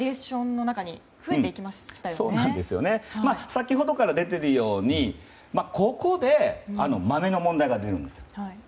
先ほどから出ているようにここでマメの問題が出てくるんです。